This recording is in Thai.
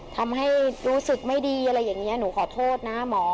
ทำให้รู้สึกไม่ดีอะไรอย่างนี้หนูขอโทษนะหมอ